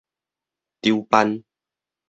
籌辦